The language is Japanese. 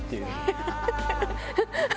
ハハハハ！